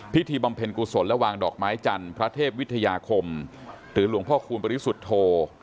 บำเพ็ญกุศลและวางดอกไม้จันทร์พระเทพวิทยาคมหรือหลวงพ่อคูณปริสุทธโธ